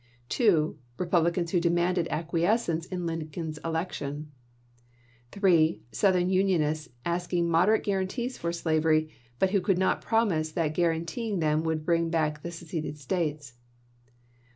2. Republicans who demanded acquies cence in Lincoln's election. 3. Southern unionists asking moderate guarantees for slavery, but who could not promise that granting them would bring back the seceded States.